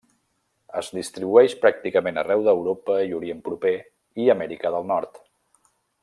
Es distribueix pràcticament arreu d'Europa i Orient Proper i Amèrica del Nord.